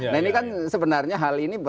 nah ini kan sebenarnya hal ini